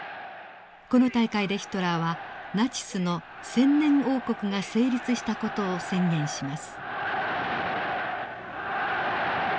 この大会でヒトラーはナチスの千年王国が成立した事を宣言します。